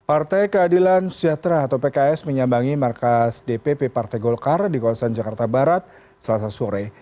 partai keadilan sejahtera atau pks menyambangi markas dpp partai golkar di kawasan jakarta barat selasa sore